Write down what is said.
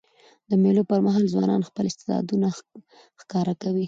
د مېلو پر مهال ځوانان خپل استعدادونه ښکاره کوي.